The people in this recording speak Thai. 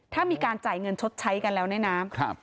ถ้ามีการจ่ายเงินชดใช้กันแล้วเนี่ยนะ